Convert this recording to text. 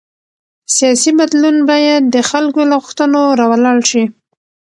سیاسي بدلون باید د خلکو له غوښتنو راولاړ شي